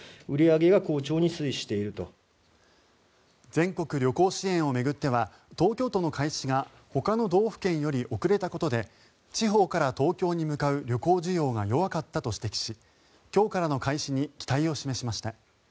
全国旅行支援を巡っては東京都の開始がほかの道府県より遅れたことで地方から東京に向かう旅行需要が弱かったと指摘し今日からの開始に期待を示しました。